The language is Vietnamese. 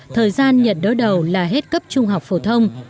thời gian nhận đỡ đầu là hết cấp trung học phổ thông